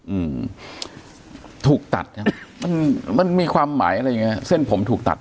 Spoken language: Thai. อืมถูกตัดครับมันมันมีความหมายอะไรอย่างเงี้เส้นผมถูกตัด